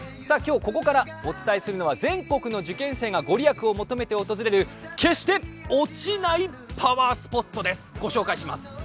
今日ここからお伝えするのは全国の受験生がご利益を求めて訪れる、決して落ちないパワースポットです。